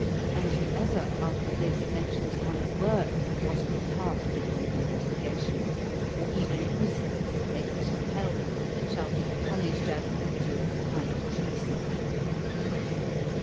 And whoever, after this, mentions one word of what has passed in these investigations, or even whispers that they have been held, shall be punished as guilty of high treason."